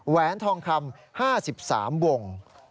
แหนทองคำ๕๓วง